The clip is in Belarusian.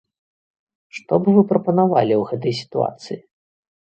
Што б вы прапанавалі ў гэтай сітуацыі?